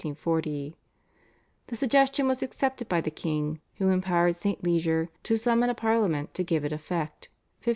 The suggestion was accepted by the king, who empowered St. Leger to summon a Parliament to give it effect (1541).